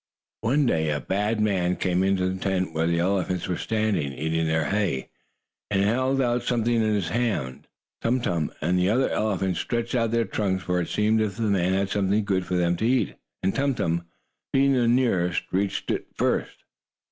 One day a bad man came into the tent where the elephants were standing, eating their hay, and held out something in his hand. Tum Tum, and the other elephants, stretched out their trunks, for it seemed as if the man had something good for them to eat. And Tum Tum, being the nearest, reached it first.